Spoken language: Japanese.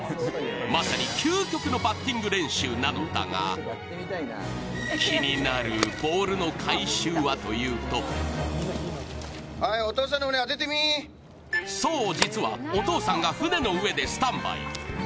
まさに究極のバッティング練習なのだが、気になるボールの回収はというとそう、実はお父さんが船の上でスタンバイ。